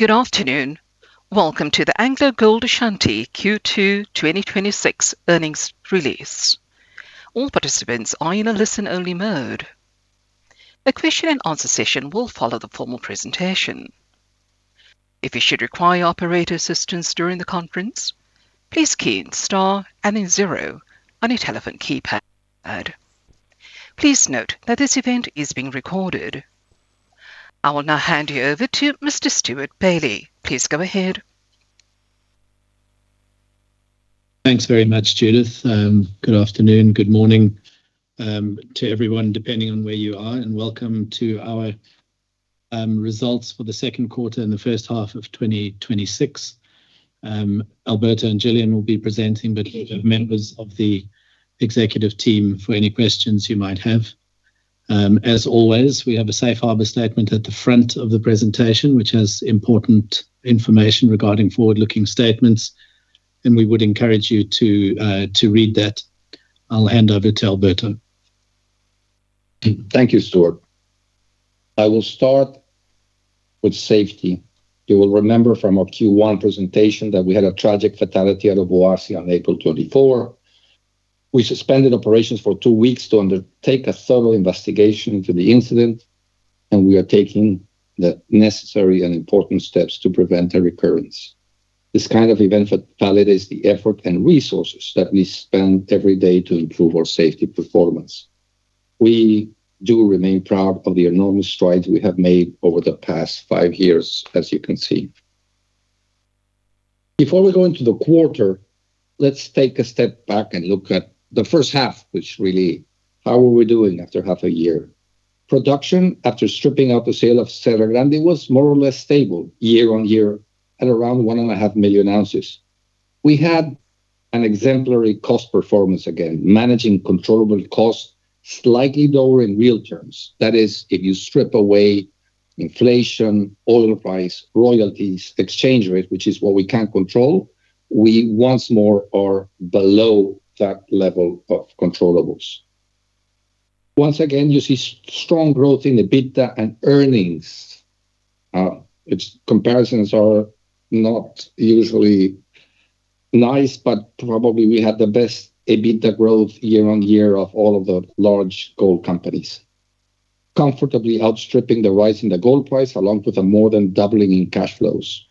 Good afternoon. Welcome to the AngloGold Ashanti Q2 2026 earnings release. All participants are in a listen-only mode. A question-and-answer session will follow the formal presentation. If you should require operator assistance during the conference, please key in star and then zero on your telephone keypad. Please note that this event is being recorded. I will now hand you over to Mr. Stewart Bailey. Please go ahead. Thanks very much, Judith. Good afternoon, good morning to everyone, depending on where you are, and welcome to our results for the second quarter and the first half of 2026. Alberto and Gillian will be presenting, but we have members of the executive team for any questions you might have. As always, we have a safe harbor statement at the front of the presentation, which has important information regarding forward-looking statements, and we would encourage you to read that. I'll hand over to Alberto. Thank you, Stewart. I will start with safety. You will remember from our Q1 presentation that we had a tragic fatality at Obuasi on April 24. We suspended operations for two weeks to undertake a thorough investigation into the incident, and we are taking the necessary and important steps to prevent a recurrence. This kind of event validates the effort and resources that we spend every day to improve our safety performance. We do remain proud of the enormous strides we have made over the past five years, as you can see. Before we go into the quarter, let's take a step back and look at the first half, which really, how are we doing after half a year? Production after stripping out the sale of Serra Grande was more or less stable year-on-year at around one and a half million ounces. We had an exemplary cost performance again, managing controllable costs slightly lower in real terms. That is, if you strip away inflation, oil price, royalties, exchange rate, which is what we can control, we once more are below that level of controllables. Once again, you see strong growth in the EBITDA and earnings. Its comparisons are not usually nice, but probably we had the best EBITDA growth year-on-year of all of the large gold companies. Comfortably outstripping the rise in the gold price along with a more than doubling in cash flows.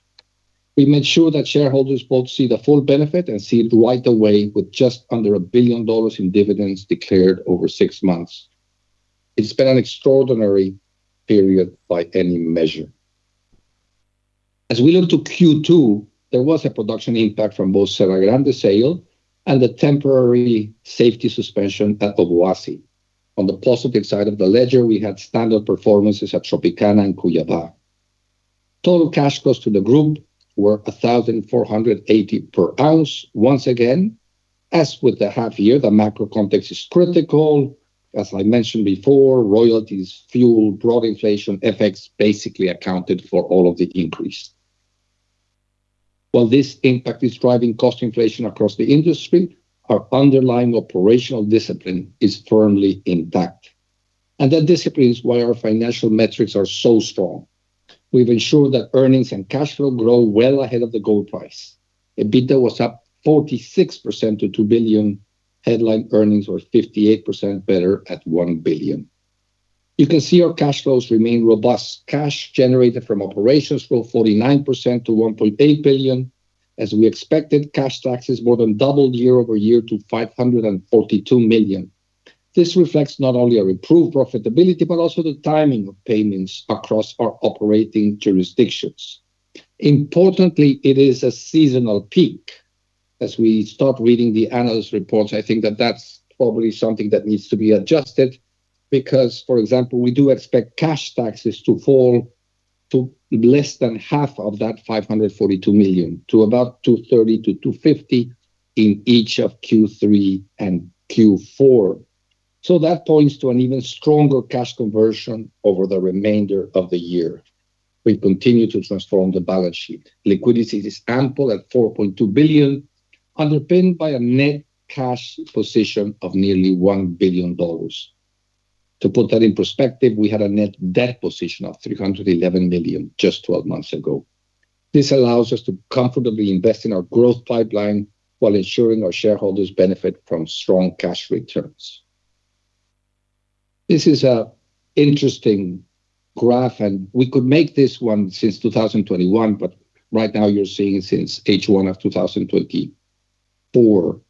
We made sure that shareholders both see the full benefit and see it right away with just under $1 billion in dividends declared over six months. It's been an extraordinary period by any measure. As we look to Q2, there was a production impact from both Serra Grande sale and the temporary safety suspension at Obuasi. On the positive side of the ledger, we had standard performances at Tropicana and Cuiabá. Total cash costs to the group were $1,480 per ounce. Once again, as with the half year, the macro context is critical. As I mentioned before, royalties, fuel, broad inflation, FX basically accounted for all of the increase. While this impact is driving cost inflation across the industry, our underlying operational discipline is firmly intact. That discipline is why our financial metrics are so strong. We've ensured that earnings and cash flow grow well ahead of the gold price. EBITDA was up 46% to $2 billion. Headline earnings were 58% better at $1 billion. You can see our cash flows remain robust. Cash generated from operations grew 49% to $1.8 billion. As we expected, cash taxes more than doubled year-over-year to $542 million. This reflects not only our improved profitability, but also the timing of payments across our operating jurisdictions. Importantly, it is a seasonal peak. As we start reading the analyst reports, I think that that's probably something that needs to be adjusted because, for example, we do expect cash taxes to fall to less than half of that $542 million, to about $230 million-$250 million in each of Q3 and Q4. That points to an even stronger cash conversion over the remainder of the year. We continue to transform the balance sheet. Liquidity is ample at $4.2 billion, underpinned by a net cash position of nearly $1 billion. To put that in perspective, we had a net debt position of $311 million just 12 months ago. This allows us to comfortably invest in our growth pipeline while ensuring our shareholders benefit from strong cash returns. This is an interesting graph. We could make this one since 2021, but right now you're seeing since H1 of 2024.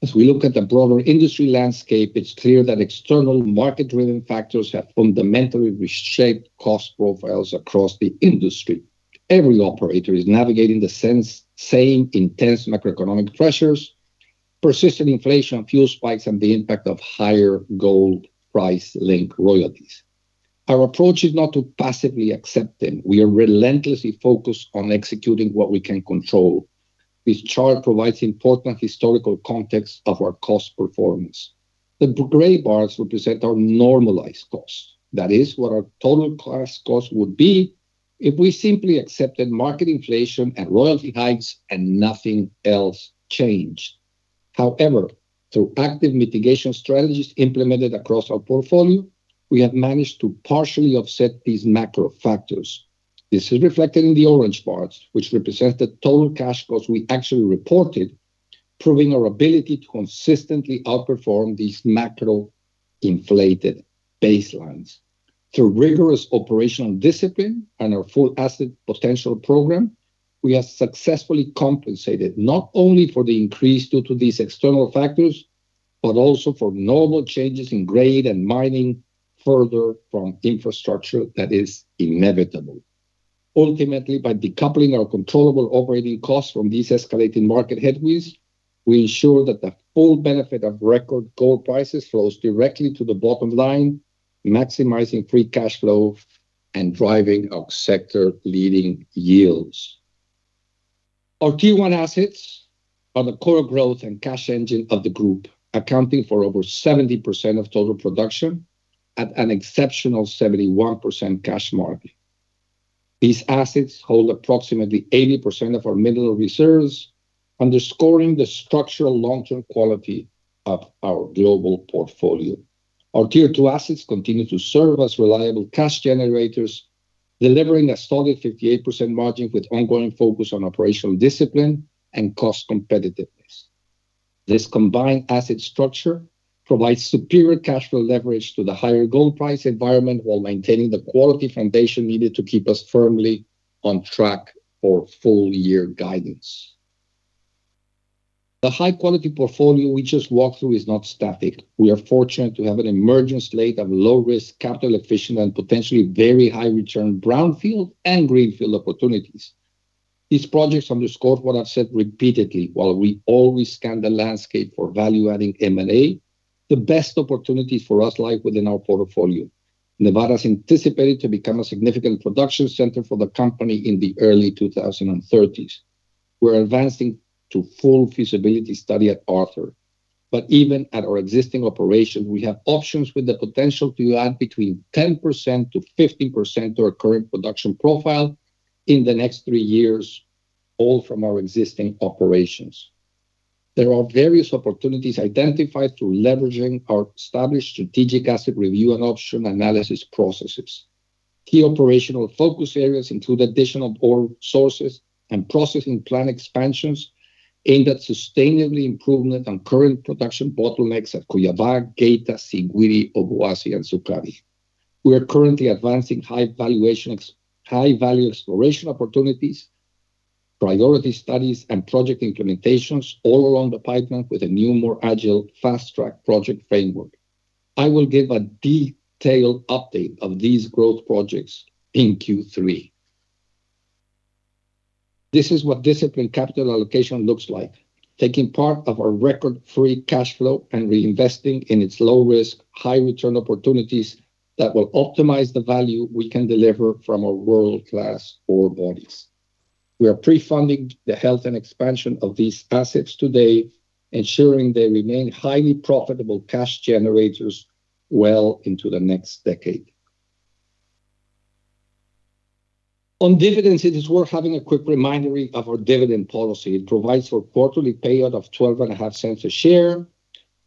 As we look at the broader industry landscape, it's clear that external market-driven factors have fundamentally reshaped cost profiles across the industry. Every operator is navigating the same intense macroeconomic pressures, persistent inflation, fuel spikes, and the impact of higher gold price-linked royalties. Our approach is not to passively accept them. We are relentlessly focused on executing what we can control. This chart provides important historical context of our cost performance. The gray bars represent our normalized cost. That is what our total cost would be if we simply accepted market inflation and royalty hikes and nothing else changed. Through active mitigation strategies implemented across our portfolio, we have managed to partially offset these macro factors. This is reflected in the orange parts, which represent the total cash costs we actually reported, proving our ability to consistently outperform these macro-inflated baselines. Through rigorous operational discipline and our Full Asset Potential program, we have successfully compensated not only for the increase due to these external factors, but also for normal changes in grade and mining further from infrastructure that is inevitable. Ultimately, by decoupling our controllable operating costs from these escalating market headwinds, we ensure that the full benefit of record gold prices flows directly to the bottom line, maximizing free cash flow and driving our sector-leading yields. Our Tier 1 assets are the core growth and cash engine of the group, accounting for over 70% of total production at an exceptional 71% cash margin. These assets hold approximately 80% of our mineral reserves, underscoring the structural long-term quality of our global portfolio. Our Tier 2 assets continue to serve as reliable cash generators, delivering a solid 58% margin with ongoing focus on operational discipline and cost competitiveness. This combined asset structure provides superior cash flow leverage to the higher gold price environment while maintaining the quality foundation needed to keep us firmly on track for full-year guidance. The high-quality portfolio we just walked through is not static. We are fortunate to have an emerging slate of low-risk capital efficient and potentially very high return brownfield and greenfield opportunities. These projects underscore what I've said repeatedly, while we always scan the landscape for value-adding M&A, the best opportunities for us lie within our portfolio. Nevada is anticipated to become a significant production center for the company in the early 2030s. We're advancing to full feasibility study at Arthur. Even at our existing operation, we have options with the potential to add between 10%-15% to our current production profile in the next three years, all from our existing operations. There are various opportunities identified through leveraging our established strategic asset review and option analysis processes. Key operational focus areas include additional ore sources and processing plant expansions aimed at sustainably improvement on current production bottlenecks at Cuiabá, Geita, Siguiri, Obuasi, and Sukari. We are currently advancing high-value exploration opportunities, priority studies, and project implementations all along the pipeline with a new, more agile fast-track project framework. I will give a detailed update of these growth projects in Q3. This is what disciplined capital allocation looks like, taking part of our record free cash flow and reinvesting in its low-risk, high-return opportunities that will optimize the value we can deliver from our world-class ore bodies. We are pre-funding the health and expansion of these assets today, ensuring they remain highly profitable cash generators well into the next decade. On dividends, it is worth having a quick reminder of our dividend policy. It provides for quarterly payout of $12.5 a share.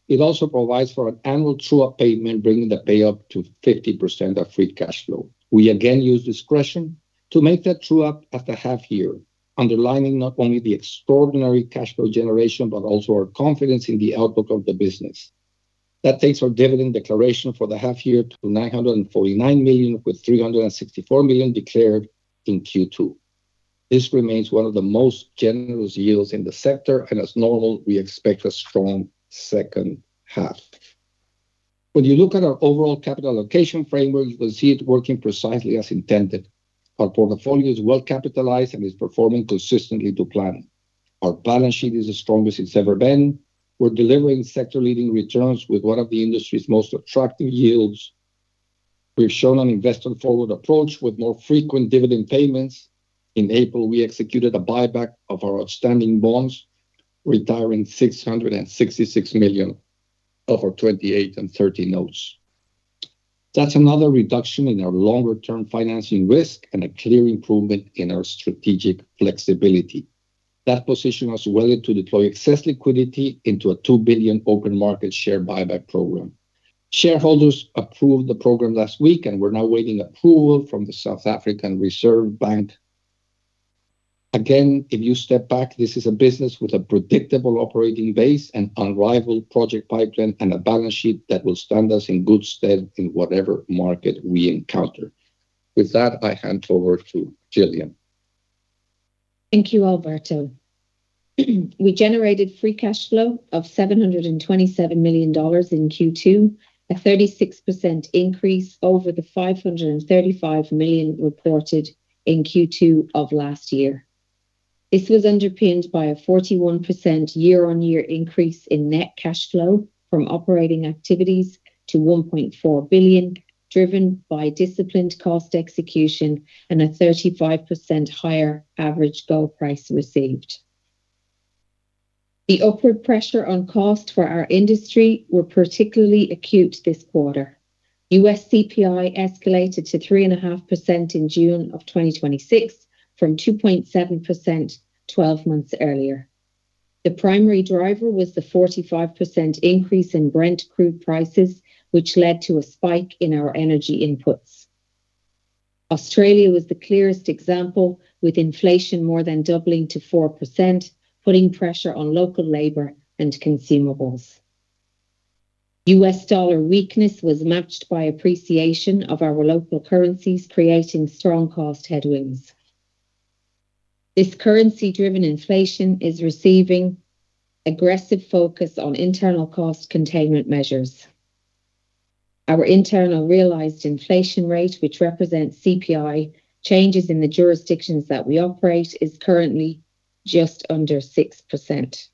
It also provides for an annual true-up payment, bringing the pay up to 50% of free cash flow. We again use discretion to make that true-up at the half year, underlining not only the extraordinary cash flow generation, but also our confidence in the outlook of the business. That takes our dividend declaration for the half year to $949 million, with $364 million declared in Q2. This remains one of the most generous yields in the sector. As normal, we expect a strong second half. When you look at our overall capital allocation framework, you will see it working precisely as intended. Our portfolio is well capitalized and is performing consistently to plan. Our balance sheet is the strongest it's ever been. We're delivering sector-leading returns with one of the industry's most attractive yields. We've shown an investor-forward approach with more frequent dividend payments. In April, we executed a buyback of our outstanding bonds, retiring $666 million of our 2028 and 2030 notes. That's another reduction in our longer-term financing risk and a clear improvement in our strategic flexibility. That position was willing to deploy excess liquidity into a $2 billion open market share buyback program. Shareholders approved the program last week, and we're now waiting approval from the South African Reserve Bank. If you step back, this is a business with a predictable operating base, an unrivaled project pipeline, and a balance sheet that will stand us in good stead in whatever market we encounter. With that, I hand over to Gillian. Thank you, Alberto. We generated free cash flow of $727 million in Q2, a 36% increase over the $535 million reported in Q2 of last year. This was underpinned by a 41% year-on-year increase in net cash flow from operating activities to $1.4 billion, driven by disciplined cost execution and a 35% higher average gold price received. The upward pressure on cost for our industry were particularly acute this quarter. U.S. CPI escalated to 3.5% in June of 2026 from 2.7% 12 months earlier. The primary driver was the 45% increase in Brent crude prices, which led to a spike in our energy inputs. Australia was the clearest example, with inflation more than doubling to 4%, putting pressure on local labor and consumables. U.S. dollar weakness was matched by appreciation of our local currencies, creating strong cost headwinds. This currency-driven inflation is receiving aggressive focus on internal cost containment measures. Our internal realized inflation rate, which represents CPI changes in the jurisdictions that we operate, is currently just under 6%.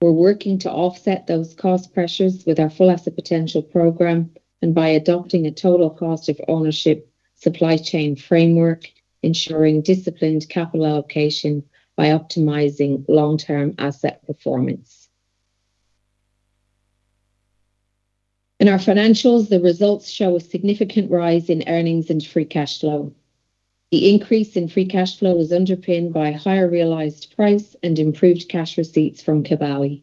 We're working to offset those cost pressures with our Full Asset Potential program and by adopting a Total Cost of Ownership supply chain framework, ensuring disciplined capital allocation by optimizing long-term asset performance. In our financials, the results show a significant rise in earnings and free cash flow. The increase in free cash flow is underpinned by higher realized price and improved cash receipts from Kibali.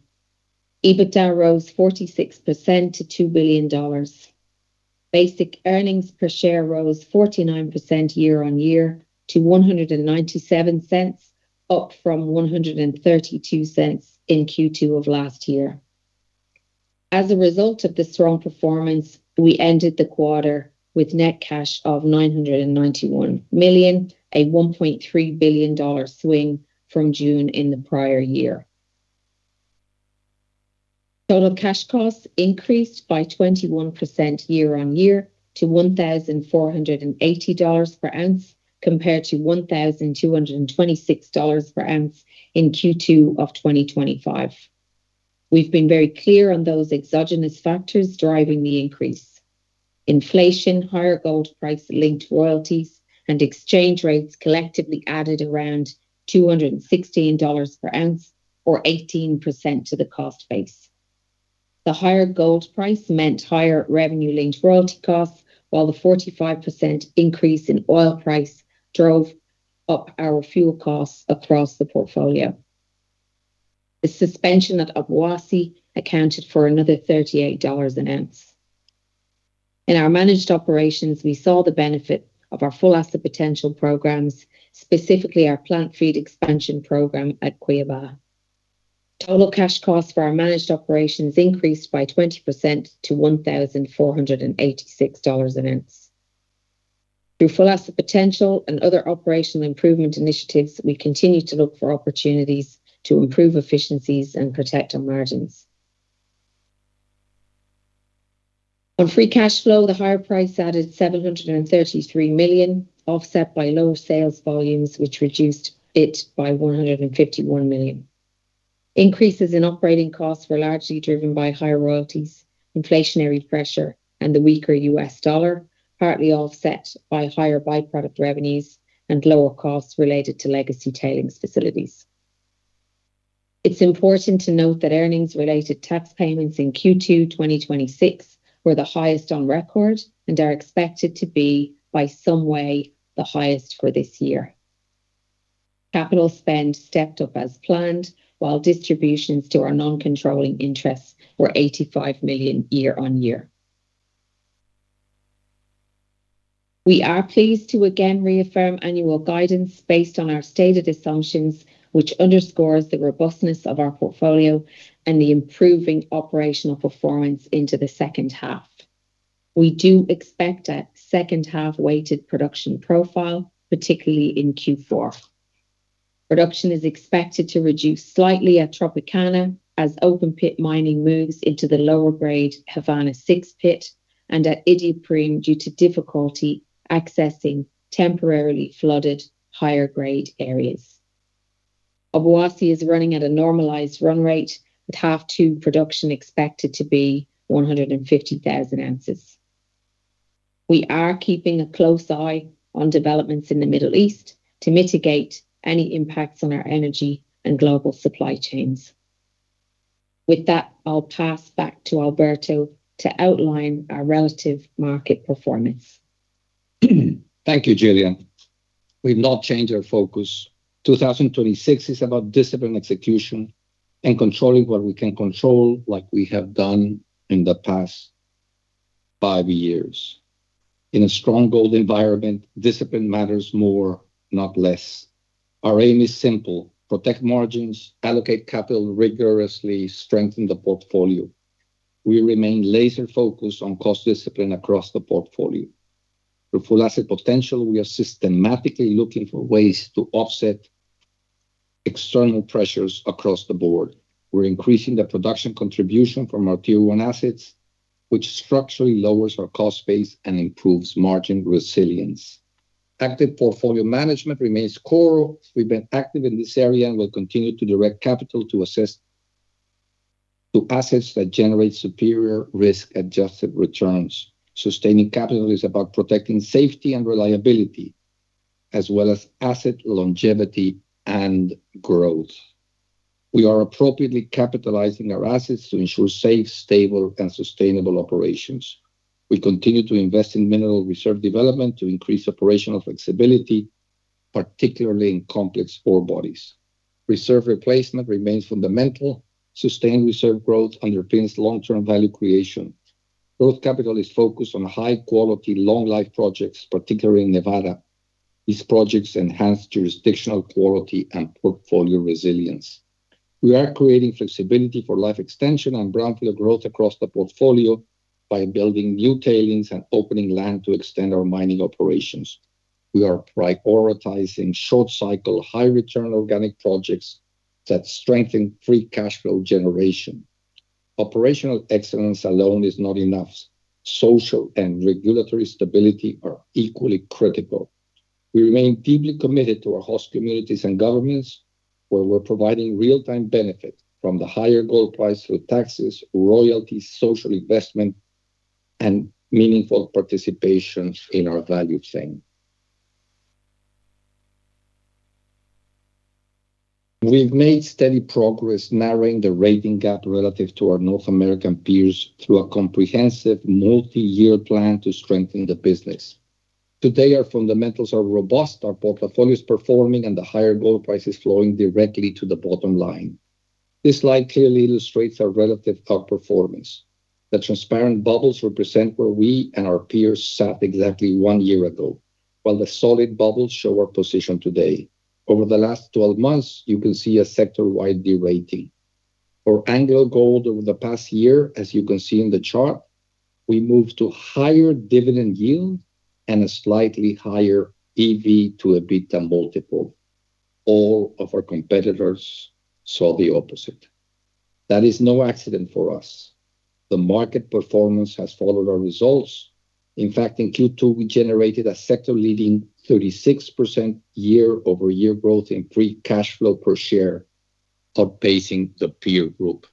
EBITDA rose 46% to $2 billion. Basic earnings per share rose 49% year-on-year to $1.97, up from $1.32 in Q2 of last year. As a result of this strong performance, we ended the quarter with net cash of $991 million, a $1.3 billion swing from June in the prior year. Total cash costs increased by 21% year-on-year to $1,480 per ounce, compared to $1,226 per ounce in Q2 of 2025. We've been very clear on those exogenous factors driving the increase. Inflation, higher gold price linked royalties, and exchange rates collectively added around $216 per ounce or 18% to the cost base. The higher gold price meant higher revenue-linked royalty costs, while the 45% increase in oil price drove up our fuel costs across the portfolio. The suspension at Obuasi accounted for another $38 an ounce. In our managed operations, we saw the benefit of our Full Asset Potential programs, specifically our plant feed expansion program at Quebradona. Total cash costs for our managed operations increased by 20% to $1,486 an ounce. Through Full Asset Potential and other operational improvement initiatives, we continue to look for opportunities to improve efficiencies and protect our margins. On free cash flow, the higher price added $733 million, offset by lower sales volumes, which reduced it by $151 million. Increases in operating costs were largely driven by higher royalties, inflationary pressure, and the weaker U.S. dollar, partly offset by higher by-product revenues and lower costs related to legacy tailings facilities. It's important to note that earnings-related tax payments in Q2 2026 were the highest on record and are expected to be by some way the highest for this year. Capital spend stepped up as planned, while distributions to our non-controlling interests were $85 million year-on-year. We are pleased to again reaffirm annual guidance based on our stated assumptions, which underscores the robustness of our portfolio and the improving operational performance into the second half. We do expect a second-half-weighted production profile, particularly in Q4. Production is expected to reduce slightly at Tropicana as open pit mining moves into the lower grade Havana 6 pit and at Iduapriem due to difficulty accessing temporarily flooded higher grade areas. Obuasi is running at a normalized run rate, with half two production expected to be 150,000 oz. We are keeping a close eye on developments in the Middle East to mitigate any impacts on our energy and global supply chains. With that, I'll pass back to Alberto to outline our relative market performance. Thank you, Gillian. We've not changed our focus. 2026 is about disciplined execution and controlling what we can control like we have done in the past five years. In a strong gold environment, discipline matters more, not less. Our aim is simple: protect margins, allocate capital rigorously, strengthen the portfolio. We remain laser-focused on cost discipline across the portfolio. With Full Asset Potential, we are systematically looking for ways to offset external pressures across the board. We're increasing the production contribution from our Tier 1 assets, which structurally lowers our cost base and improves margin resilience. Active portfolio management remains core. We've been active in this area and will continue to direct capital to assets that generate superior risk-adjusted returns. Sustaining capital is about protecting safety and reliability, as well as asset longevity and growth. We are appropriately capitalizing our assets to ensure safe, stable, and sustainable operations. We continue to invest in mineral reserve development to increase operational flexibility, particularly in complex ore bodies. Reserve replacement remains fundamental. Sustained reserve growth underpins long-term value creation. Growth capital is focused on high-quality, long-life projects, particularly in Nevada. These projects enhance jurisdictional quality and portfolio resilience. We are creating flexibility for life extension and brownfield growth across the portfolio by building new tailings and opening land to extend our mining operations. We are prioritizing short-cycle, high-return organic projects that strengthen free cash flow generation. Operational excellence alone is not enough. Social and regulatory stability are equally critical. We remain deeply committed to our host communities and governments, where we're providing real-time benefit from the higher gold price through taxes, royalties, social investment, and meaningful participation in our value chain. We've made steady progress narrowing the rating gap relative to our North American peers through a comprehensive multi-year plan to strengthen the business. Today, our fundamentals are robust, our portfolio is performing, and the higher gold price is flowing directly to the bottom line. This slide clearly illustrates our relative outperformance. The transparent bubbles represent where we and our peers sat exactly one year ago, while the solid bubbles show our position today. Over the last 12 months, you can see a sector-wide de-rating. For AngloGold over the past year, as you can see in the chart, we moved to higher dividend yield and a slightly higher EV to EBITDA multiple. All of our competitors saw the opposite. That is no accident for us. The market performance has followed our results. In fact in Q2, we generated a sector-leading 36% year-over-year growth in free cash flow per share, outpacing the peer group.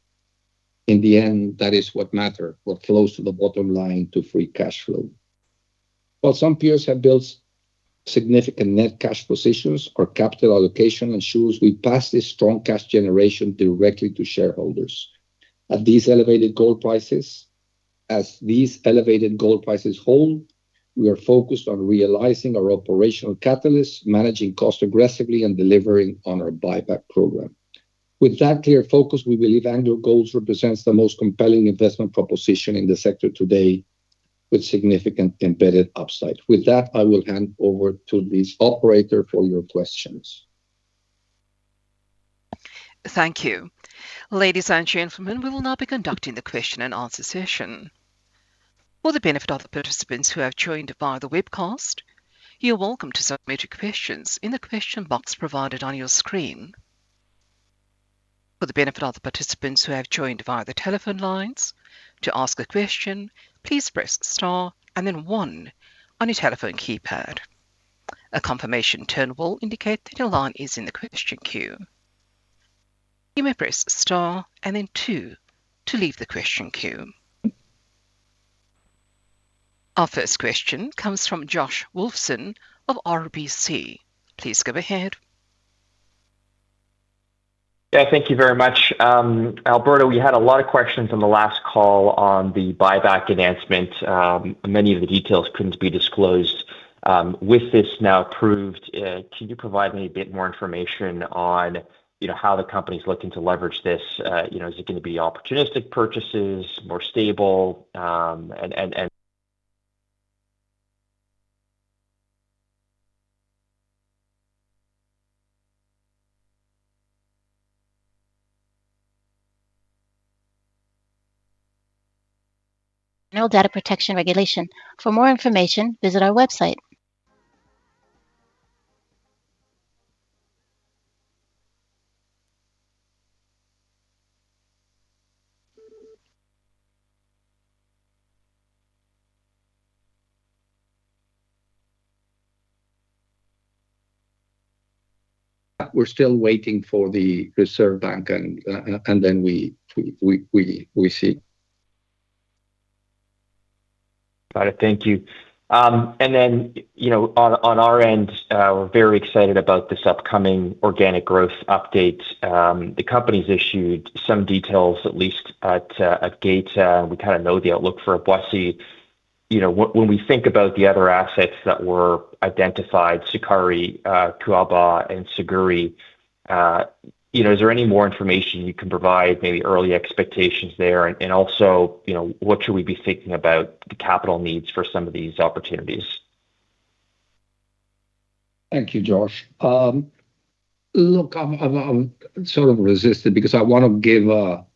In the end, that is what matters. We're close to the bottom line to free cash flow. Some peers have built significant net cash positions, our capital allocation ensures we pass this strong cash generation directly to shareholders. These elevated gold prices hold, we are focused on realizing our operational catalysts, managing cost aggressively, and delivering on our buyback program. That clear focus, we believe AngloGold represents the most compelling investment proposition in the sector today, with significant embedded upside. That, I will hand over to this operator for your questions. Thank you. Ladies and gentlemen, we will now be conducting the question-and-answer session. For the benefit of the participants who have joined via the webcast, you're welcome to submit your questions in the question box provided on your screen. For the benefit of the participants who have joined via the telephone lines, to ask a question, please press star and then one on your telephone keypad. A confirmation tone will indicate that your line is in the question queue. You may press star and then two to leave the question queue. Our first question comes from Josh Wolfson of RBC. Please go ahead. Thank you very much. Alberto, we had a lot of questions on the last call on the buyback enhancement. Many of the details couldn't be disclosed. This now approved, can you provide me a bit more information on how the company's looking to leverage this? Is it going to be opportunistic purchases, more stable, We're still waiting for the Reserve Bank, and then we see. Got it. Thank you. Then, you know, on our end, we're very excited about this upcoming organic growth update. The company's issued some details, at least at Geita. We kind of know the outlook for Obuasi. When we think about the other assets that were identified, Sukari, Cuiabá, and Siguiri, is there any more information you can provide, maybe early expectations there? Also, what should we be thinking about the capital needs for some of these opportunities? Thank you, Josh. Look, I've sort of resisted because I want to give what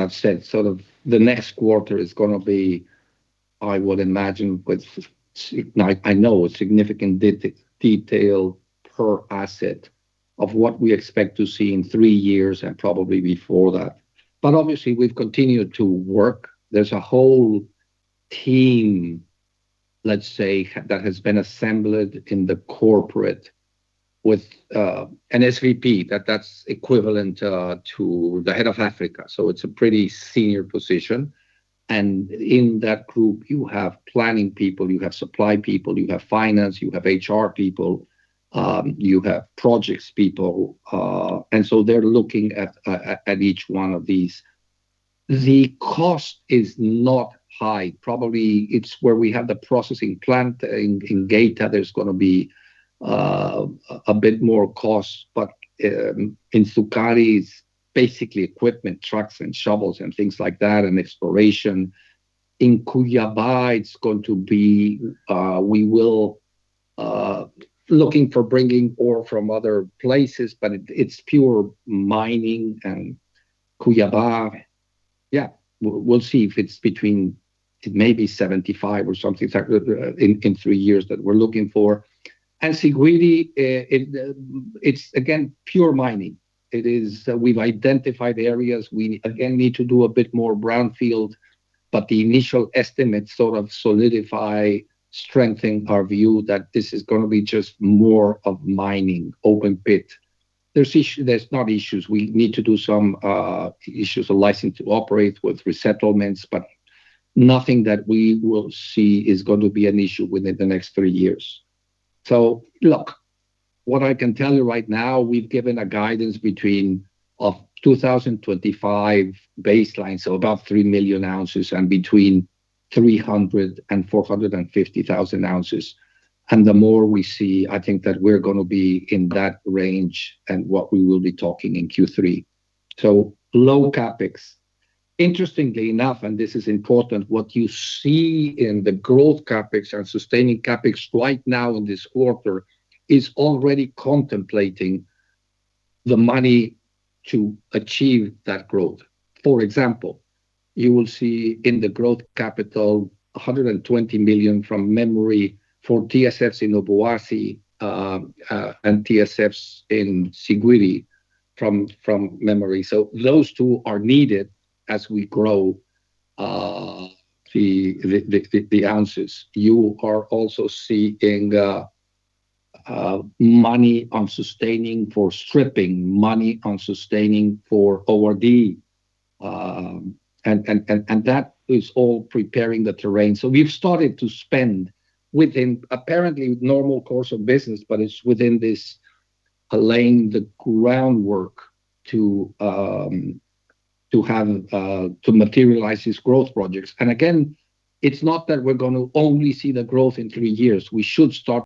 I've said. The next quarter is going to be, I would imagine with, I know, significant detail per asset of what we expect to see in three years and probably before that. Obviously, we've continued to work. There's a whole team, let's say, that has been assembled in the corporate with an SVP. That's equivalent to the head of Africa, so it's a pretty senior position. In that group, you have planning people, you have supply people, you have finance, you have HR people, you have projects people. So they're looking at each one of these. The cost is not high. Probably it's where we have the processing plant in Geita, there's going to be a bit more cost. In Sukari, it's basically equipment, trucks and shovels and things like that, and exploration. In Cuiabá, we will be looking for bringing ore from other places, but it's pure mining. Cuiabá, we'll see if it's between maybe 75,000 oz or something in three years that we're looking for. Siguiri, it's again, pure mining. We've identified the areas. We, again, need to do a bit more brownfield, but the initial estimates sort of solidify, strengthen our view that this is going to be just more of mining open-pit. There's not issues. We need to do some issues of license to operate with resettlements, but nothing that we will see is going to be an issue within the next three years. Look, what I can tell you right now, we've given a guidance between of 2025 baseline, so about 3 million ounces, and between 300,000 oz and 450,000 oz. The more we see, I think that we're going to be in that range and what we will be talking in Q3. Low CapEx. Interestingly enough, and this is important, what you see in the growth CapEx and sustaining CapEx right now in this quarter is already contemplating the money to achieve that growth. For example, you will see in the growth capital, $120 million from memory for TSFs in Obuasi, and TSFs in Siguiri from memory. Those two are needed as we grow the ounces. You are also seeing money on sustaining for stripping, money on sustaining for ORD, and that is all preparing the terrain. We've started to spend within, apparently with normal course of business, but it's within this laying the groundwork to materialize these growth projects. Again, it's not that we're going to only see the growth in three years. We should start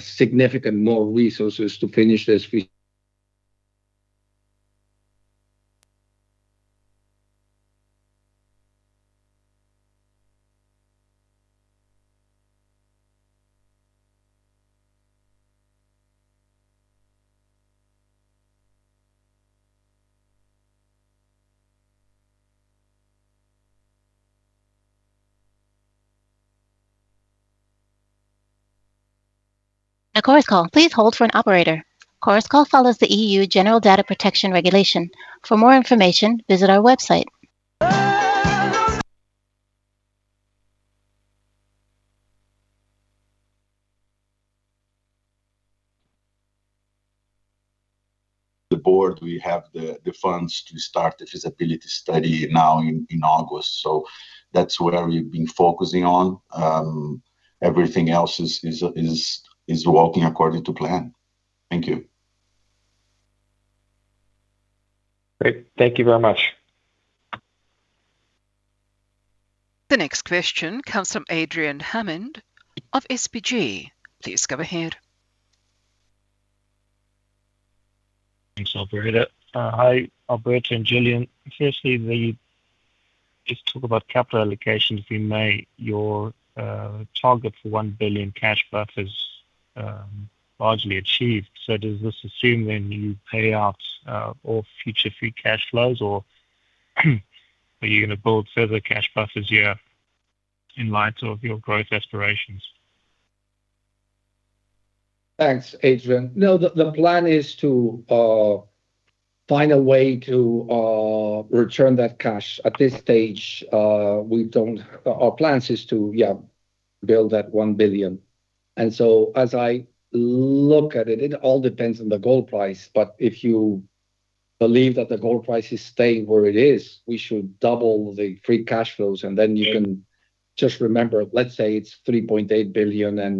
Significant more resources to finish this. The board, we have the funds to start the feasibility study now in August. That's what we've been focusing on. Everything else is working according to plan. Thank you. Great. Thank you very much. The next question comes from Adrian Hammond of SBG. Please go ahead. Thanks, operator. Hi, Alberto and Gillian. Just talk about capital allocations, if you may. Your target for $1 billion cash buffer is largely achieved. Does this assume then you pay out all future free cash flows, or are you going to build further cash buffers here in light of your growth aspirations? Thanks, Adrian. No, the plan is to find a way to return that cash. At this stage, our plans is to build that $1 billion. As I look at it all depends on the gold price, but if you believe that the gold price is staying where it is, we should double the free cash flows. Yeah. You can just remember, let's say it's $3.8 billion, that's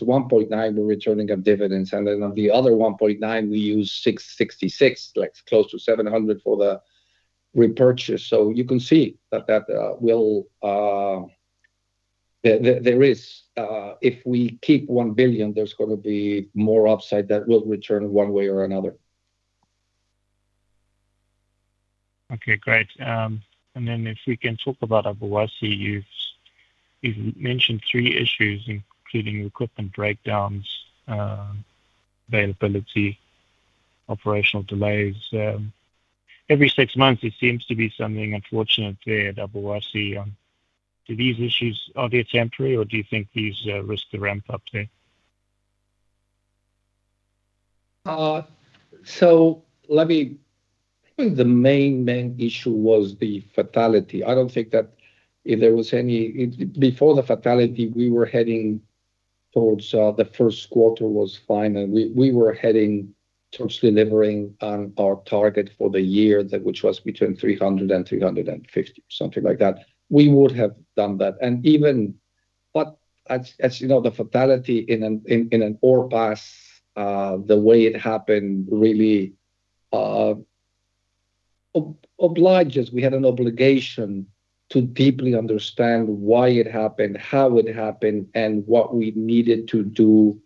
$1.9 billion we're returning of dividends. On the other $1.9 billion, we use $666 million, close to $700 million for the repurchase. You can see that if we keep $1 billion, there's going to be more upside that will return one way or another. Okay, great. If we can talk about Obuasi. You've mentioned three issues, including equipment breakdowns, availability, operational delays. Every six months, it seems to be something unfortunate there at Obuasi. Do these issues, are they temporary, or do you think these risk to ramp up there? I think the main issue was the fatality. Before the fatality, the first quarter was fine, and we were heading towards delivering on our target for the year, which was between 300,000 oz and 350,000 oz, something like that. We would have done that. As you know, the fatality in an ore pass, the way it happened, really obliged us. We had an obligation to deeply understand why it happened, how it happened, and what we needed to do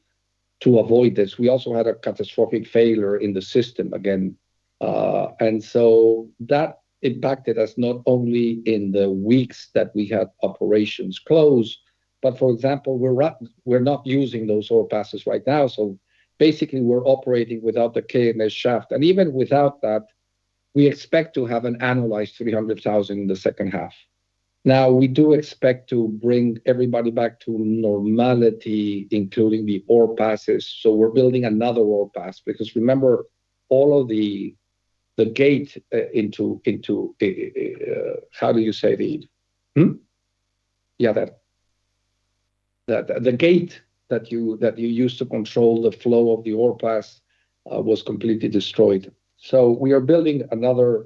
to avoid this. We also had a catastrophic failure in the system again. That impacted us not only in the weeks that we had operations closed, but for example, we're not using those ore passes right now. Basically we're operating without the KM Shaft. Even without that, we expect to have an annualized 300,000 in the second half. We do expect to bring everybody back to normality, including the ore passes. We're building another ore pass, because remember all of the gate that you use to control the flow of the ore pass was completely destroyed. We are building another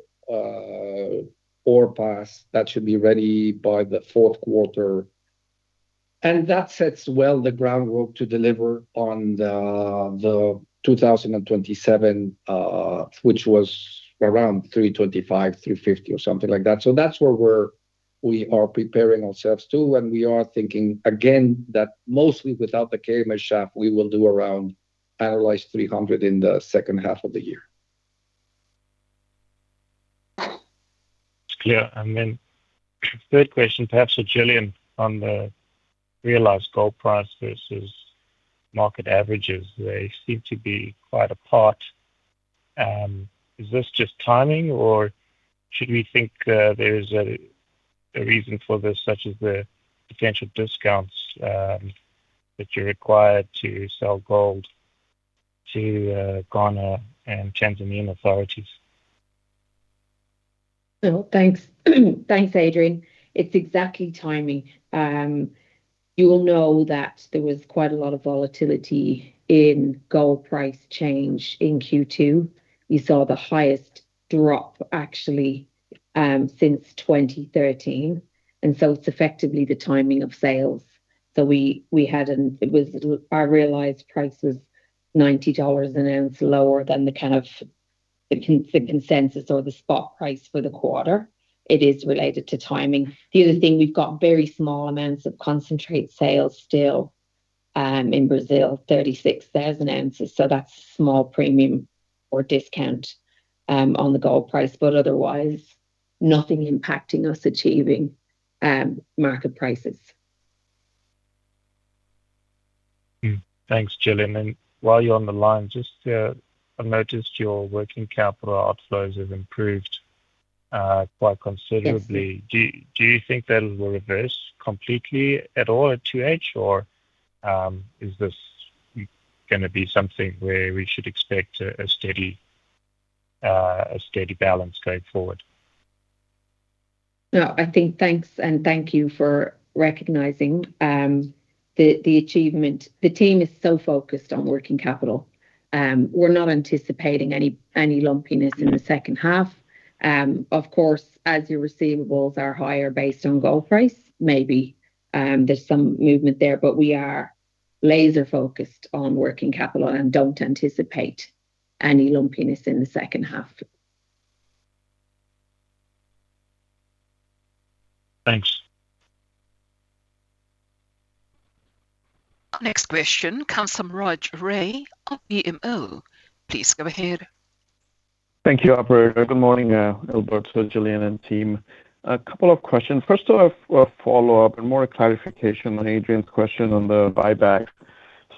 ore pass that should be ready by the fourth quarter. That sets well the groundwork to deliver on the 2027, which was around 325,000, 350,000 or something like that. That's where we are preparing ourselves to, and we are thinking, again, that mostly without the KM Shaft, we will do around annualized 300,000 in the second half of the year. It's clear. Third question, perhaps for Gillian on the realized gold price versus market averages. They seem to be quite apart. Is this just timing, or should we think there's a reason for this, such as the potential discounts that you're required to sell gold to Ghana and Tanzanian authorities? Well, thanks, Adrian. It's exactly timing. You will know that there was quite a lot of volatility in gold price change in Q2. We saw the highest drop actually, since 2013. It's effectively the timing of sales. Our realized price was $90 an ounce lower than the kind of consensus or the spot price for the quarter. It is related to timing. The other thing, we've got very small amounts of concentrate sales still, in Brazil, 36,000 oz. That's a small premium or discount on the gold price, but otherwise nothing impacting us achieving market prices. Thanks, Gillian. While you're on the line, just I noticed your working capital outflows have improved quite considerably. Yes. Do you think that'll reverse completely at all at 2H, or is this going to be something where we should expect a steady balance going forward? No, I think thanks, and thank you for recognizing the achievement. The team is so focused on working capital. We're not anticipating any lumpiness in the second half. Of course, as your receivables are higher based on gold price, maybe there's some movement there. But we are laser-focused on working capital and don't anticipate any lumpiness in the second half. Thanks. Next question comes from Raj Ray of BMO. Please go ahead. Thank you, operator. Good morning, Alberto, Gillian, and team. A couple of questions. First off, a follow-up and more clarification on Adrian's question on the buyback.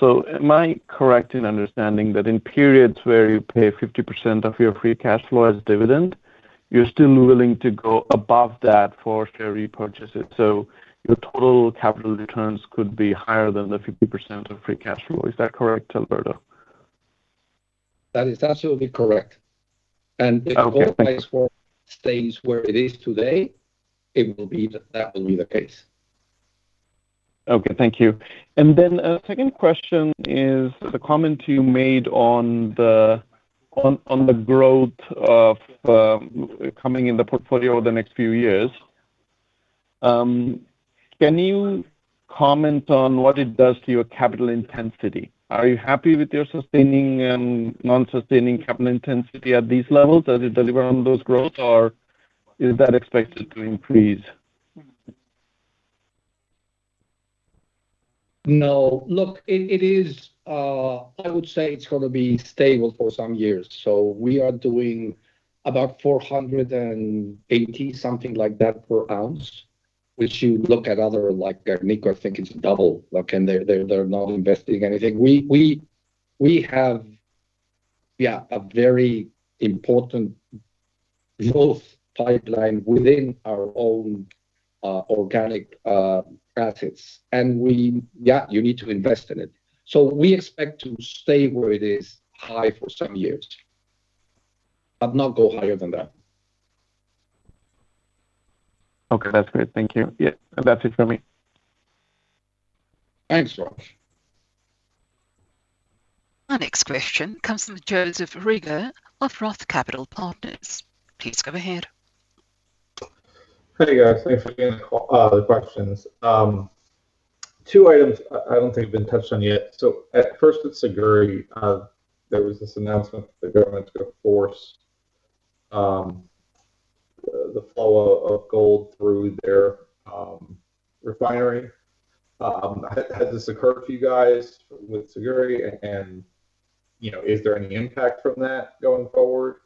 Am I correct in understanding that in periods where you pay 50% of your free cash flow as dividend, you're still willing to go above that for share repurchases? Your total capital returns could be higher than the 50% of free cash flow. Is that correct, Alberto? That is absolutely correct. Okay. If the gold price stays where it is today, that will be the case. Okay. Thank you. Then a second question is the comment you made on the growth coming in the portfolio over the next few years. Can you comment on what it does to your capital intensity? Are you happy with your sustaining and non-sustaining capital intensity at these levels as you deliver on those growth, or is that expected to increase? No. Look, I would say it's going to be stable for some years. We are doing about $480, something like that, per ounce. Which you look at other, like Barrick, I think it's double. They're not investing anything. We have, yeah, a very important growth pipeline within our own organic assets. Yeah, you need to invest in it. We expect to stay where it is, high for some years, but not go higher than that. Okay. That's great. Thank you. Yeah, that's it from me. Thanks, Raj. Our next question comes from Joseph Reagor of Roth Capital Partners. Please go ahead. Hey, guys. Thanks for taking the questions. Two items I don't think have been touched on yet. At first with Siguiri, there was this announcement that the government's going to force the flow of gold through their refinery. Has this occurred to you guys with Siguiri and, you know, is there any impact from that going forward?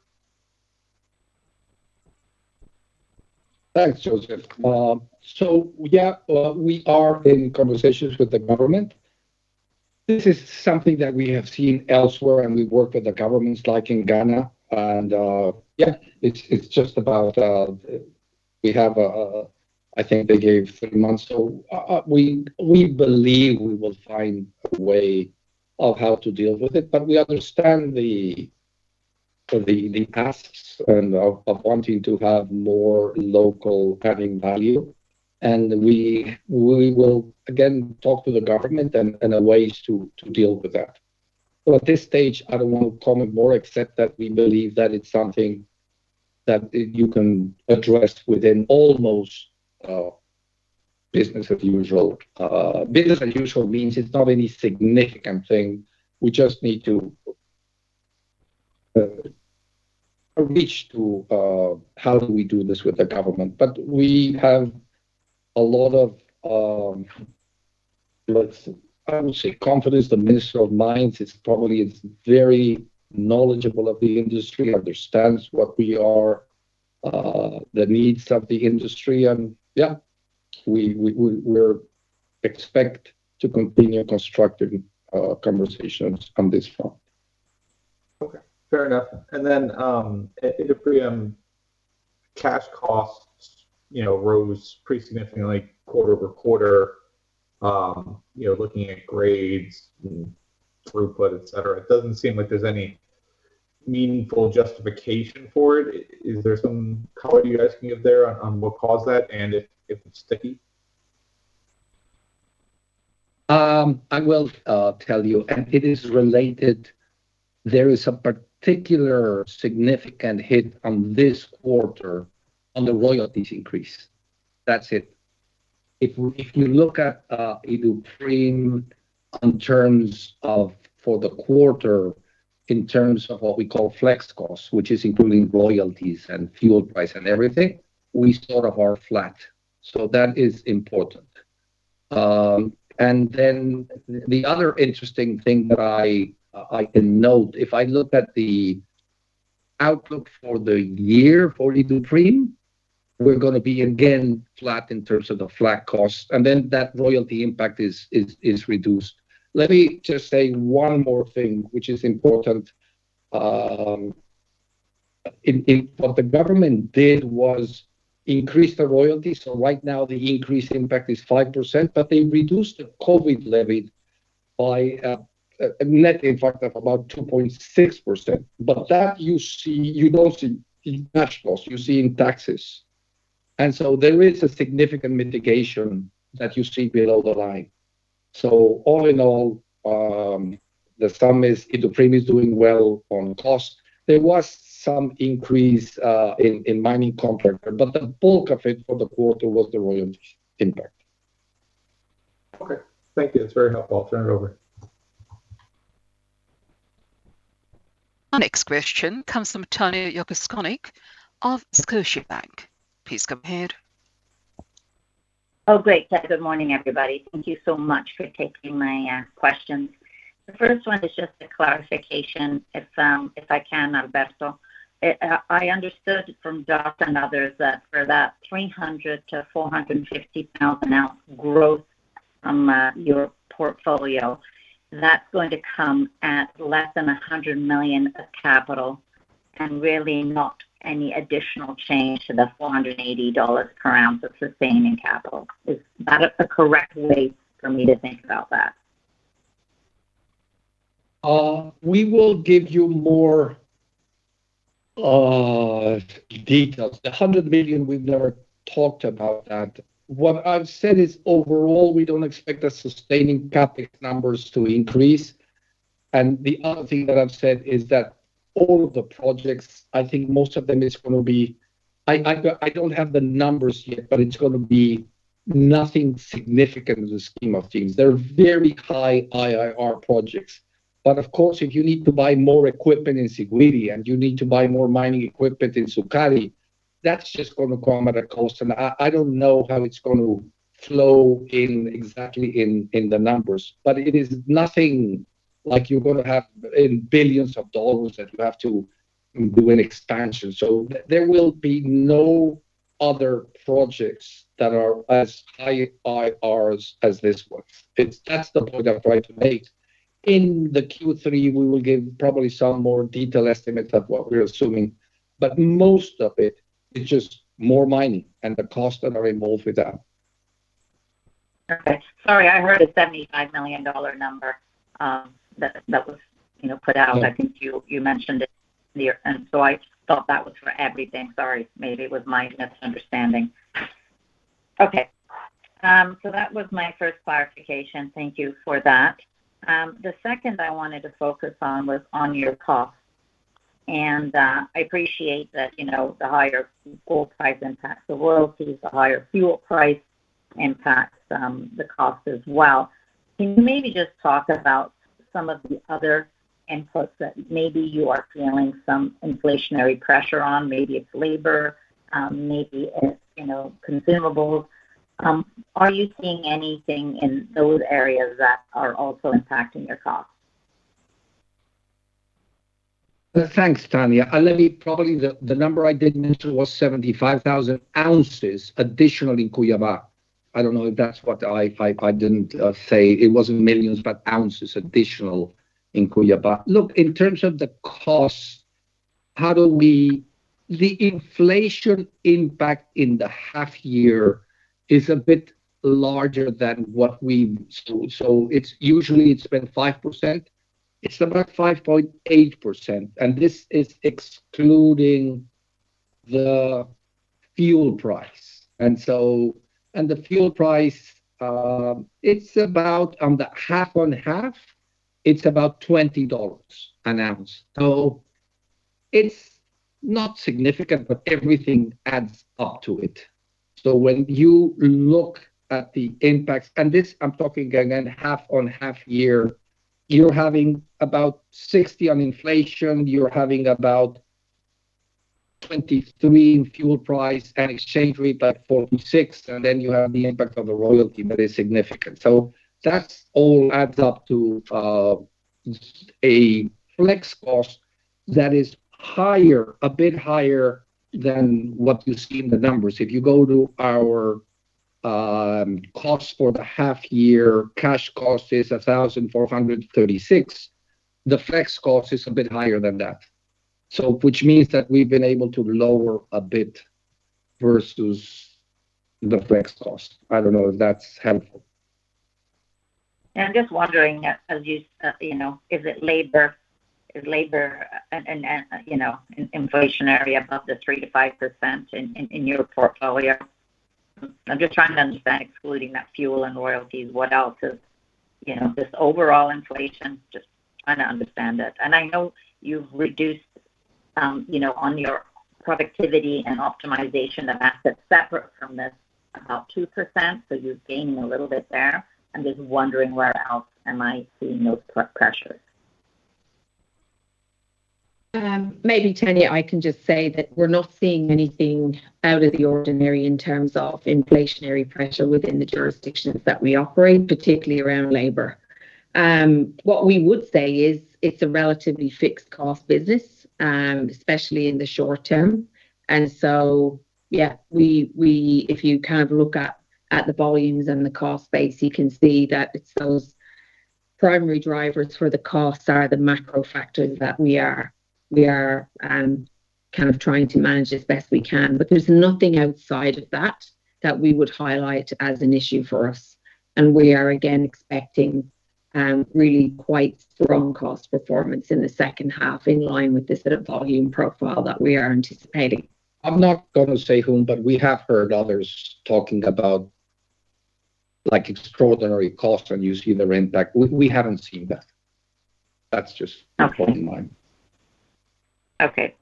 Thanks, Joseph. Yeah, we are in conversations with the government. This is something that we have seen elsewhere, and we've worked with the governments like in Ghana. It's just about I think they gave three months. We believe we will find a way of how to deal with it. We understand the asks and of wanting to have more local adding value. We will, again, talk to the government and ways to deal with that. At this stage, I don't want to comment more except that we believe that it's something that you can address within almost business as usual. Business as usual means it's not any significant thing. We just need to outreach to how do we do this with the government. We have a lot of, I would say confidence. The Minister of Mines is probably, is very knowledgeable of the industry, understands what we are, the needs of the industry. We expect to continue constructive conversations on this front. Okay. Fair enough. Iduapriem cash costs rose pretty significantly quarter-over-quarter. Looking at grades and throughput, et cetera, it doesn't seem like there's any meaningful justification for it. Is there some color you guys can give there on what caused that, and if it's sticky? I will tell you. It is related. There is a particular significant hit on this quarter on the royalties increase. That's it. If you look at Iduapriem in terms of for the quarter, in terms of what we call flex costs, which is including royalties and fuel price and everything, we sort of are flat. That is important. The other interesting thing that I can note, if I look at the outlook for the year for Iduapriem, we're going to be, again, flat in terms of the flat cost. That royalty impact is reduced. Let me just say one more thing, which is important. What the government did was increase the royalty. Right now the increase impact is 5%, but they reduced the COVID levy by a net impact of about 2.6%. That you don't see in net actuals, you see in taxes. There is a significant mitigation that you see below the line. All in all, the sum is Iduapriem is doing well on cost. There was some increase in mining contractor, but the bulk of it for the quarter was the royalties impact. Okay. Thank you. That's very helpful. I'll turn it over. Our next question comes from Tanya Jakusconek of Scotiabank. Please go ahead. Oh, great. Good morning, everybody. Thank you so much for taking my questions. The first one is just a clarification, if I can, Alberto. I understood from Doc and others that for that 300,000 oz-450,000 oz growth from your portfolio, that's going to come at less than $100 million of capital. Really not any additional change to the $480 per ounce of sustaining capital. Is that a correct way for me to think about that? We will give you more details. The $100 million, we've never talked about that. What I've said is overall, we don't expect the sustaining CapEx numbers to increase. The other thing that I've said is that all of the projects, I think most of them is going to be I don't have the numbers yet, but it's going to be nothing significant in the scheme of things. They're very high IRR projects. Of course, if you need to buy more equipment in Siguiri and you need to buy more mining equipment in Sukari, that's just going to come at a cost. I don't know how it's going to flow in exactly in the numbers. It is nothing like you're going to have in billions of dollars that you have to do an expansion. There will be no other projects that are as high IRRs as this was. That's the point I'm trying to make. In the Q3, we will give probably some more detailed estimate of what we're assuming. Most of it is just more mining and the cost that are involved with that. Okay. Sorry, I heard a $75 million number that was put out. I think you mentioned it earlier. I thought that was for everything. Sorry, maybe it was my misunderstanding. Okay. That was my first clarification. Thank you for that. The second I wanted to focus on was on your costs. I appreciate that the higher gold price impacts the royalties, the higher fuel price impacts the cost as well. Can you maybe just talk about some of the other inputs that maybe you are feeling some inflationary pressure on? Maybe it's labor, maybe it's consumables. Are you seeing anything in those areas that are also impacting your costs? Thanks, Tanya. Probably the number I didn't mention was 75,000 oz additional in Cuiabá. I don't know if that's what I didn't say. It wasn't millions, but ounces additional in Cuiabá. Look, in terms of the costs, the inflation impact in the half year is a bit larger than what we Usually it's been 5%. It's about 5.8%, and this is excluding the fuel price. The fuel price, it's about on the half on half, it's about $20 an ounce. It's not significant, but everything adds up to it. When you look at the impacts, and this I'm talking again, half on half year, you're having about $60 on inflation, you're having about $23 in fuel price and exchange rate about $46, you have the impact of the royalty that is significant. That all adds up to a flex cost that is a bit higher than what you see in the numbers. If you go to our costs for the half year, cash cost is $1,436. The flex cost is a bit higher than that. Which means that we've been able to lower a bit versus the flex cost. I don't know if that's helpful. I'm just wondering, is it labor? Is labor an inflationary above the 3%-5% in your portfolio? I'm just trying to understand, excluding that fuel and royalties, what else is this overall inflation. Just trying to understand it. I know you've reduced on your productivity and optimization of assets separate from this, about 2%, so you're gaining a little bit there. I'm just wondering where else am I seeing those pressures. Maybe, Tanya, I can just say that we're not seeing anything out of the ordinary in terms of inflationary pressure within the jurisdictions that we operate, particularly around labor. What we would say is it's a relatively fixed cost business, especially in the short-term. Yeah, if you look at the volumes and the cost base, you can see that it's those primary drivers for the costs are the macro factors that we are trying to manage as best we can. There's nothing outside of that that we would highlight as an issue for us. We are again expecting really quite strong cost performance in the second half in line with the sort of volume profile that we are anticipating. I'm not going to say whom, but we have heard others talking about extraordinary costs and you see the impact. We haven't seen that. That's just a point in mind.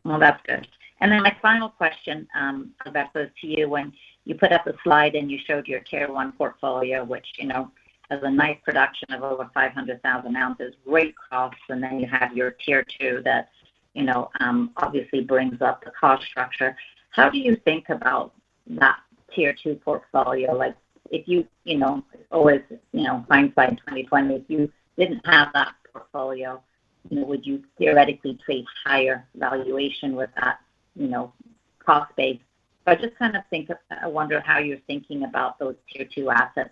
Well, that's good. My final question, Alberto, to you, when you put up a slide and you showed your Tier 1 portfolio, which has a nice production of over 500,000 oz, great costs, then you have your Tier 2 that obviously brings up the cost structure. How do you think about that Tier 2 portfolio? Like if you always hindsight 2020, if you didn't have that portfolio, would you theoretically trade higher valuation with that cost base. I just kind of think of, I wonder how you're thinking about those Tier 2 assets.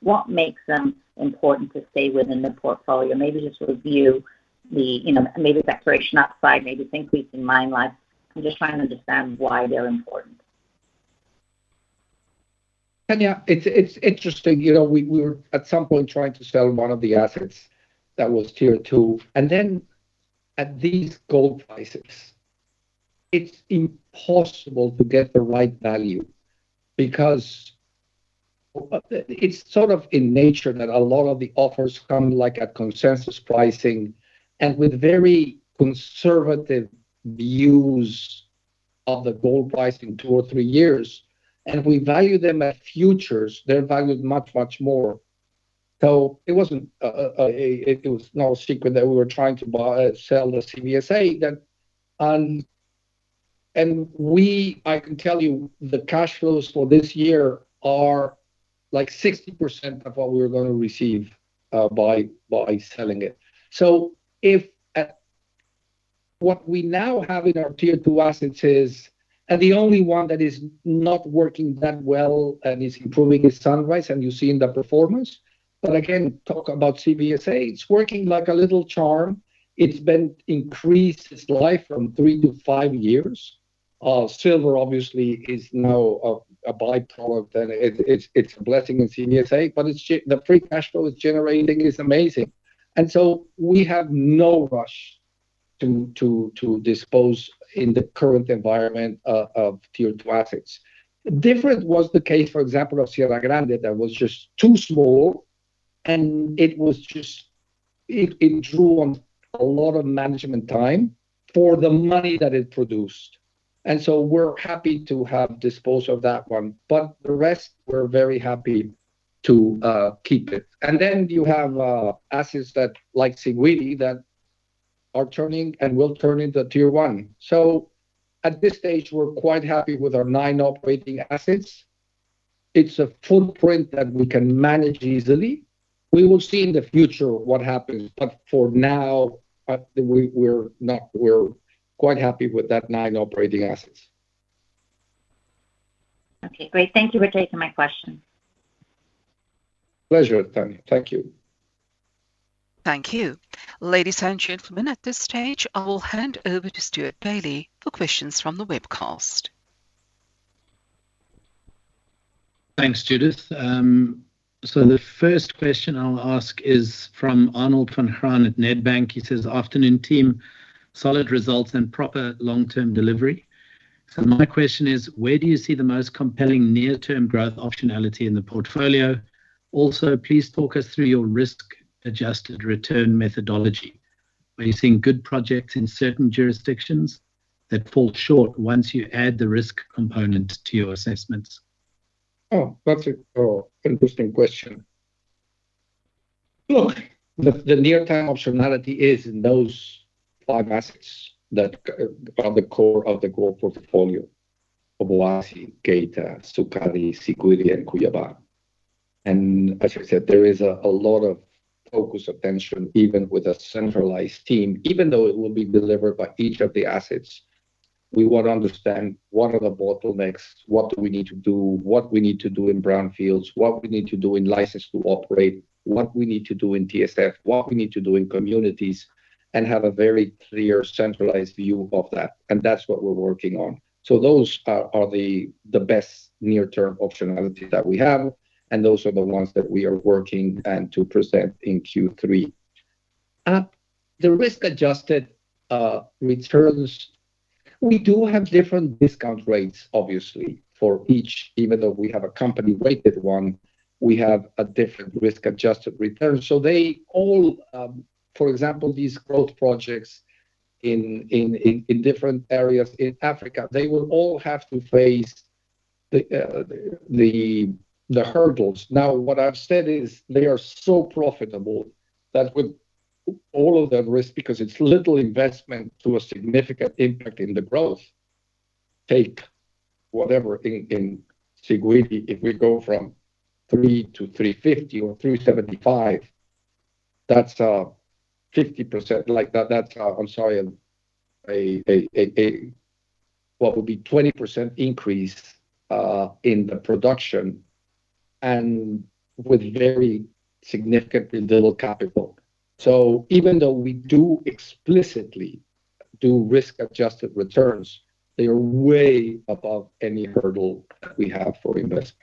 What makes them important to stay within the portfolio? Maybe just review the separation upside, maybe think we can mine life. I'm just trying to understand why they're important. Tanya, it's interesting. We were at some point trying to sell one of the assets that was Tier 2, at these gold prices, it's impossible to get the right value because it's sort of in nature that a lot of the offers come like at consensus pricing and with very conservative views of the gold price in two or three years. If we value them at futures, they're valued much, much more. It was not a secret that we were trying to sell the CVSA. I can tell you, the cash flows for this year are like 60% of what we are going to receive by selling it. What we now have in our Tier 2 assets is, and the only one that is not working that well and is improving is Sunrise, and you see in the performance. Again, talk about CVSA, it's working like a little charm. It's increased its life from 3-5 years. Silver obviously is now a by-product and it's a blessing in CVSA, but the free cash flow it's generating is amazing. We have no rush to dispose in the current environment of Tier 2 assets. Different was the case, for example, of Serra Grande that was just too small, and it drew on a lot of management time for the money that it produced. We're happy to have disposed of that one. The rest, we're very happy to keep it. You have assets like Siguiri that are turning and will turn into Tier 1. At this stage, we're quite happy with our nine operating assets. It's a footprint that we can manage easily. We will see in the future what happens, for now, we're quite happy with that nine operating assets. Okay, great. Thank you for taking my question. Pleasure, Tanya. Thank you. Thank you. Ladies and gentlemen, at this stage, I will hand over to Stewart Bailey for questions from the webcast. Thanks, Judith. The first question I'll ask is from Arnold van Graan at Nedbank. He says, Afternoon, team. Solid results and proper long-term delivery. Yes. My question is, where do you see the most compelling near-term growth optionality in the portfolio? Also, please talk us through your risk-adjusted return methodology. Are you seeing good projects in certain jurisdictions that fall short once you add the risk component to your assessments? Oh, that's an interesting question. Look, the near-term optionality is in those five assets that are the core of the gold portfolio. Obuasi, Geita, Sukari, Siguiri, and Cuiabá. As you said, there is a lot of focus of attention even with a centralized team. Even though it will be delivered by each of the assets, we want to understand what are the bottlenecks, what do we need to do, what we need to do in brownfields, what we need to do in license to operate, what we need to do in TSF, what we need to do in communities, and have a very clear, centralized view of that. That's what we're working on. Those are the best near-term optionalities that we have, and those are the ones that we are working and to present in Q3. The risk-adjusted returns, we do have different discount rates, obviously, for each. Even though we have a company-rated one, we have a different risk-adjusted return. They all, for example, these growth projects in different areas in Africa, they will all have to face the hurdles. Now, what I've said is they are so profitable that with all of that risk, because it's little investment to a significant impact in the growth. Take whatever in Siguiri, if we go from 300,000 oz-350,00 oz or 375,000 oz that's a 50% like that, I'm sorry, what would be 20% increase in the production and with very significantly little capital. Even though we do explicitly do risk-adjusted returns, they are way above any hurdle that we have for investment.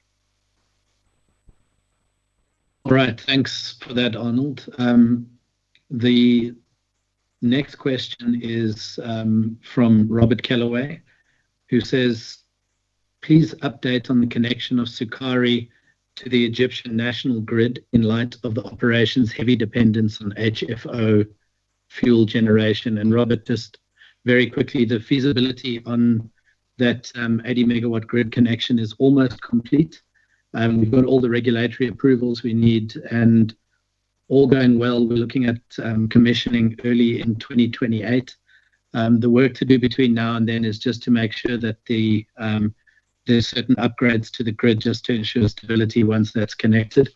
All right. Thanks for that, Arnold. The next question is from Robert Kellaway, who says, Please update on the connection of Sukari to the Egyptian national grid in light of the operation's heavy dependence on HFO fuel generation. Robert, just very quickly, the feasibility on that 80 MW grid connection is almost complete. We've got all the regulatory approvals we need. All going well, we're looking at commissioning early in 2028. The work to do between now and then is just to make sure that there's certain upgrades to the grid just to ensure stability once that's connected.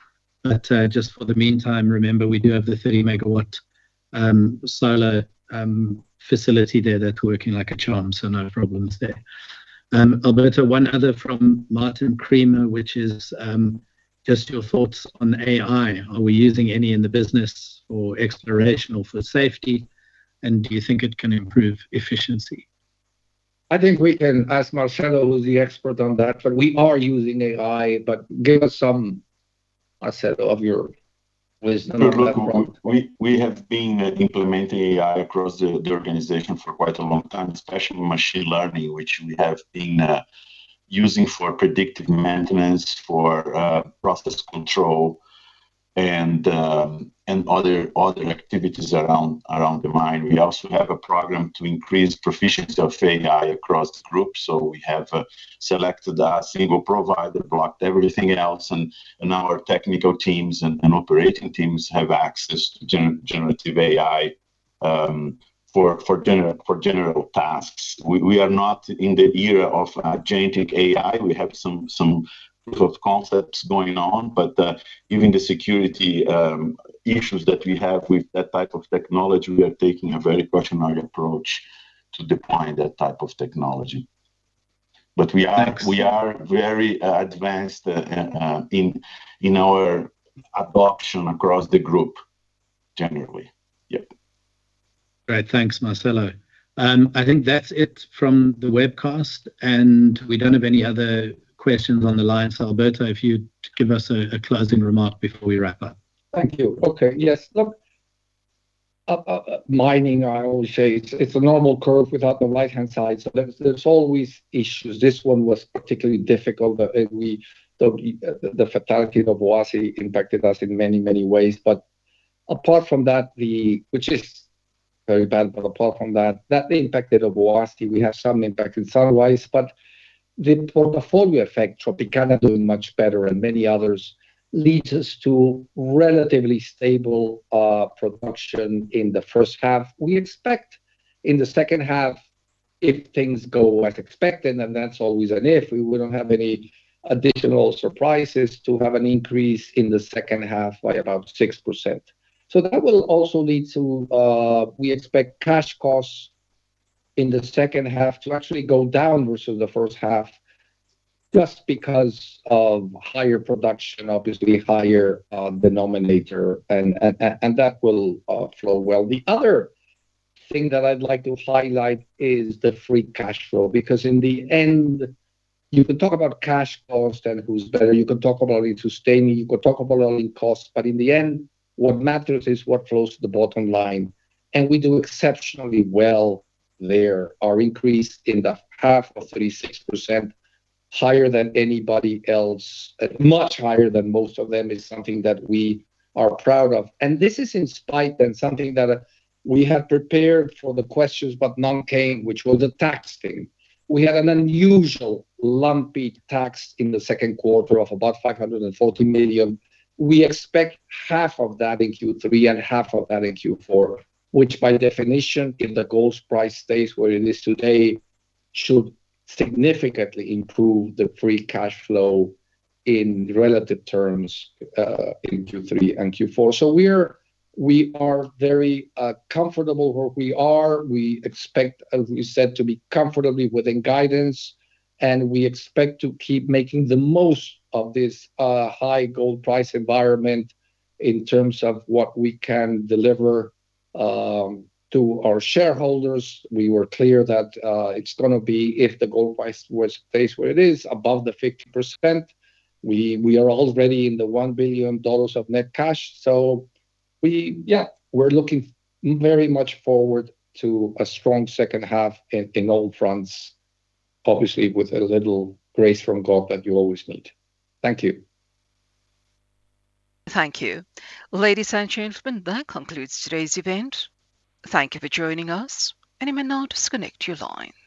Just for the meantime, remember, we do have the 30 MW solar facility there that's working like a charm, so no problems there. Alberto, one other from Martin Creamer, which is, just your thoughts on AI. Are we using any in the business for exploration or for safety, do you think it can improve efficiency? I think we can ask Marcelo, who's the expert on that, we are using AI. Give us some, Marcelo, of your wisdom on that front. Look, we have been implementing AI across the organization for quite a long time, especially machine learning, which we have been using for predictive maintenance, for process control and other activities around the mine. We also have a program to increase proficiency of AI across groups. We have selected a single provider, blocked everything else, and now our technical teams and operating teams have access to generative AI, for general tasks. We are not in the era of generative AI. We have some proof of concepts going on, given the security issues that we have with that type of technology, we are taking a very cautionary approach to deploying that type of technology. Thanks We are very advanced in our adoption across the group generally. Yep. Great. Thanks, Marcelo. I think that's it from the webcast, and we don't have any other questions on the line. Alberto, if you'd give us a closing remark before we wrap up. Thank you. Okay. Yes, look, mining, I always say it's a normal curve without the right-hand side. There's always issues. This one was particularly difficult. The fatality of Obuasi impacted us in many, many ways. Apart from that, which is very bad, apart from that impact at Obuasi, we have some impact in San Luis. The portfolio effect, Tropicana doing much better and many others, leads us to relatively stable production in the first half. We expect in the second half if things go as expected, and that's always an if, we wouldn't have any additional surprises to have an increase in the second half by about 6%. That will also lead to, we expect cash costs in the second half to actually go down versus the first half just because of higher production, obviously higher denominator, and that will flow well. The other thing that I'd like to highlight is the free cash flow, because in the end, you can talk about cash cost and who's better. You can talk about it sustaining, you can talk about all-in costs, in the end, what matters is what flows to the bottom line. We do exceptionally well there. Our increase in the half of 36% higher than anybody else, much higher than most of them, is something that we are proud of. This is in spite and something that we have prepared for the questions, none came, which was the tax thing. We had an unusual lumpy tax in the second quarter of about $540 million. We expect half of that in Q3 and half of that in Q4, which by definition, if the gold price stays where it is today, should significantly improve the free cash flow in relative terms, in Q3 and Q4. We are very comfortable where we are. We expect, as we said, to be comfortably within guidance, and we expect to keep making the most of this high gold price environment in terms of what we can deliver, to our shareholders. We were clear that it's going to be if the gold price was to stay where it is, above the 50%. We are already in the $1 billion of net cash. We're looking very much forward to a strong second half in all fronts, obviously with a little grace from God that you always need. Thank you. Thank you. Ladies and gentlemen, that concludes today's event. Thank you for joining us, and you may now disconnect your lines